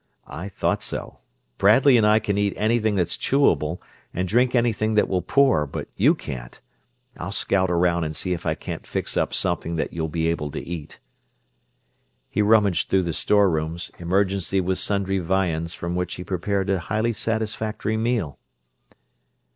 I thought so! Bradley and I can eat anything that's chewable, and drink anything that will pour, but you can't. I'll scout around and see if I can't fix up something that you'll be able to eat." He rummaged through the store rooms, emerging with sundry viands from which he prepared a highly satisfactory meal.